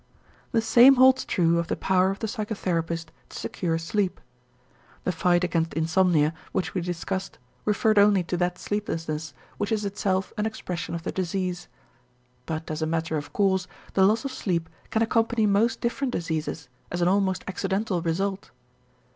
The same holds true of the power of the psychotherapist to secure sleep. The fight against insomnia which we discussed referred only to that sleeplessness which is itself an expression of the disease. But as a matter of course, the loss of sleep can accompany most different diseases, as an almost accidental result.